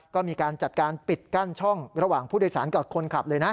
ก็มีการจัดการปิดกั้นช่องระหว่างผู้โดยสารกับคนขับเลยนะ